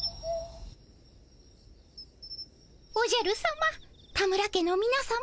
おじゃるさま田村家のみなさま